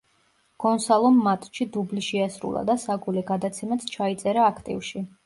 გონსალომ მატჩში დუბლი შეასრულა და საგოლე გადაცემაც ჩაიწერა აქტივში.